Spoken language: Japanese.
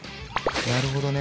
なるほどね。